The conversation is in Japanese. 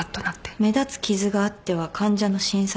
目立つ傷があっては患者の診察ができない。